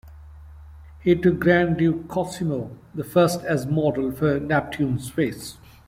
He took Grand Duke Cosimo the First as model for Neptune's face.